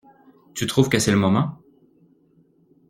Tu trouves que c’est le moment?